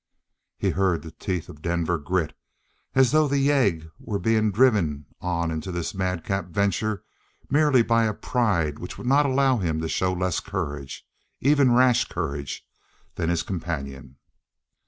He heard the teeth of Denver grit, as though the yegg were being driven on into this madcap venture merely by a pride which would not allow him to show less courage even rash courage than his companion.